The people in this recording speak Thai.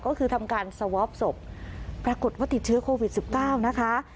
ก็คือทำการสวอปศพปรากฏว่าติดเชื้อโควิด๑๙นะคะ